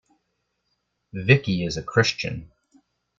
Vicky is a Christian.